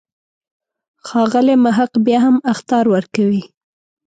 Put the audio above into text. ښاغلی محق بیا هم اخطار ورکوي.